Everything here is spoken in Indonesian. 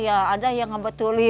ya ada yang ngebetulin